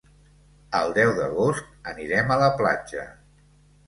El deu d'agost anirem a la platja.